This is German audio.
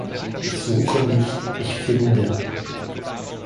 Ich suche nicht, ich finde.